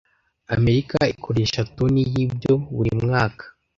Amerika ikoresha toni yibyo buri mwaka